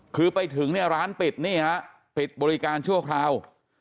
คือไปถึงเนี่ยร้านปิดนี่ฮะปิดบริการชั่วคราว